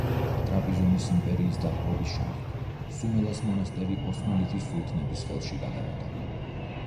ტრაპიზონის იმპერიის დაპყრობის შემდეგ სუმელას მონასტერი ოსმალეთის სულთნების ხელში გადავიდა.